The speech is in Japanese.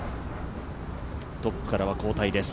トップからは後退です。